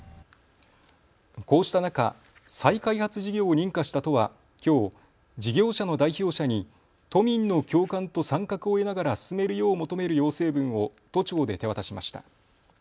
こうした中、再開発事業を認可した都はきょう事業者の代表者に都民の共感と参画を得ながら進めるよう求める要請文を都庁で手渡しました。